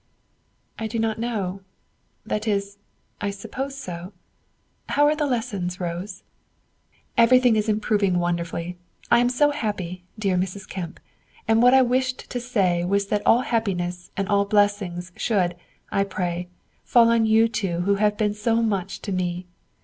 "I do not know, that is, I suppose so. How are the lessons, Rose?" "Everything is improving wonderfully; I am so happy, dear Mrs. Kemp, and what I wished to say was that all happiness and all blessings should, I pray, fall on you two who have been so much to me.